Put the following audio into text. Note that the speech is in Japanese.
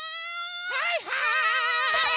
はいはい！